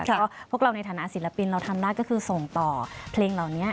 เพราะพวกเราในฐานะศิลปินเราทำได้ก็คือส่งต่อเพลงเหล่านี้